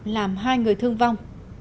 làm hai người thương vụ